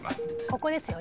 ［ここですよ］